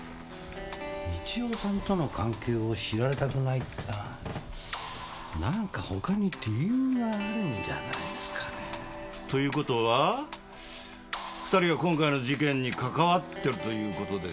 美千代さんとの関係を知られたくないってのは何かほかに理由があるんじゃないですかね。という事は２人が今回の事件に関わってるという事ですか？